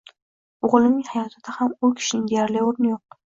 o‘g‘limning hayotida ham u kishining deyarli o‘rni yo‘q.